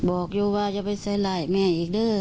บอกอยู่ว่าจะไปใส่ลายแม่อีกเด้อ